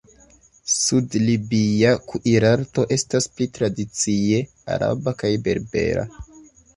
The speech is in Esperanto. Sud-libia kuirarto estas pli tradicie araba kaj berbera.